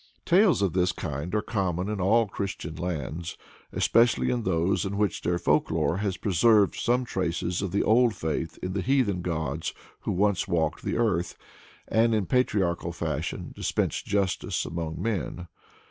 Tales of this kind are common in all Christian lands, especially in those in which their folk lore has preserved some traces of the old faith in the heathen gods who once walked the earth, and in patriarchal fashion dispensed justice among men.